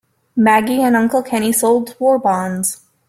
Maggie and Uncle Kenny sold war bonds.